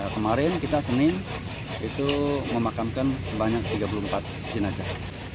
kemarin kita senin itu memakamkan sebanyak tiga puluh empat jenazah